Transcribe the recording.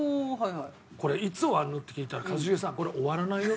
「これいつ終わる？」って聞いたら「一茂さんこれ終わらないよ」